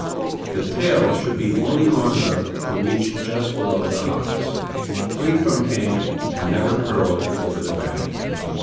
The tail should be only long enough to reach just below the hocks, free from kink, and never curled over the back.